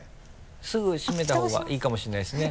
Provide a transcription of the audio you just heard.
すぐ閉めた方がいいかもしれないですね。